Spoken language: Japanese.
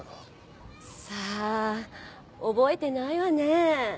さあ覚えてないわね。